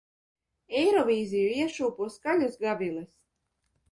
Eirovīziju iešūpo skaļas gaviles.